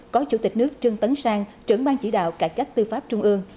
có chủ tịch nước trương tấn sang trưởng ban chỉ đạo cải cách tư pháp trung ương